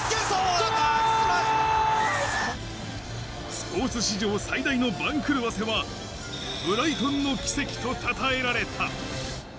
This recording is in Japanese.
スポーツ史上最大の番狂わせは、ブライトンの奇跡と称えられた。